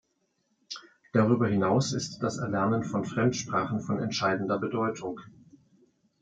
Darüber hinaus ist das Erlernen von Fremdsprachen von entscheidender Bedeutung.